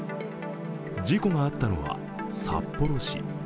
事故があったのは札幌市。